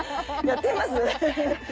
やってみます。